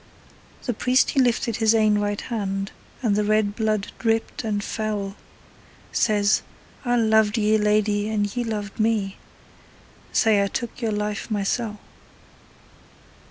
The priest he lifted his ain right hand, And the red blood dripped and fell. Says, 'I loved ye, lady, and ye loved me; Sae I took your life mysel'.' .